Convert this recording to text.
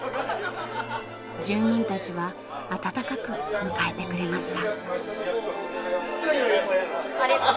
住民たちは温かく迎えてくれました。